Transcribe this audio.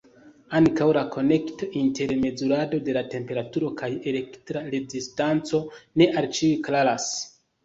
Ankaŭ la konekto inter mezurado de temperaturo kaj elektra rezistanco ne al ĉiuj klaras.